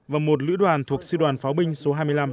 và một lữ đoàn thuộc sư đoàn pháo binh số hai mươi năm